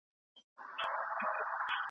دوی وویل چي طبیعي علوم له ټولنیزو علومو جلا دي.